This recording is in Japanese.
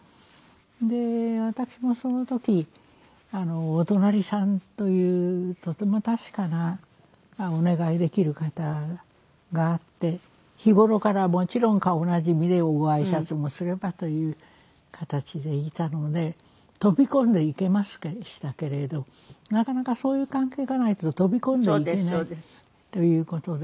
で私もその時お隣さんというとても確かなお願いできる方があって日頃からもちろん顔なじみでごあいさつもすればという形でいたので飛び込んでいけましたけれどなかなかそういう関係がないと飛び込んでいけないという事で。